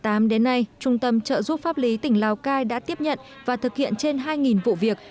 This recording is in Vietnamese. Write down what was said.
từ năm hai nghìn một mươi tám đến nay trung tâm trợ giúp pháp lý tỉnh lào cai đã tiếp nhận và thực hiện trên hai vụ việc